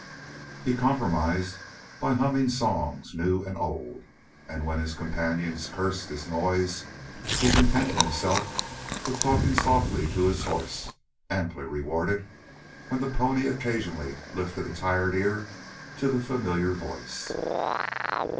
He compromised by humming songs new and old, and when his companions cursed his noise, he contented himself with talking softly to his horse, amply rewarded when the pony occasionally lifted a tired ear to the familiar voice.